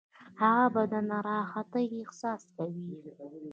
هغه به د ناراحتۍ احساس کوي.